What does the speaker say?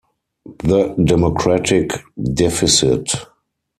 The democratic deficit.